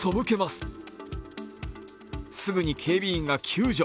すぐに警備員が救助。